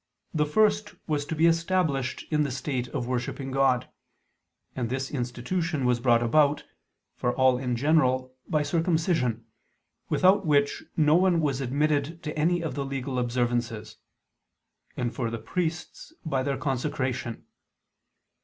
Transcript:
The first was to be established in the state of worshipping God: and this institution was brought about for all in general, by circumcision, without which no one was admitted to any of the legal observances and for the priests, by their consecration.